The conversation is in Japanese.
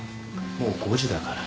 もう５時だから。